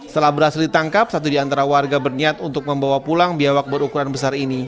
setelah berhasil ditangkap satu di antara warga berniat untuk membawa pulang biawak berukuran besar ini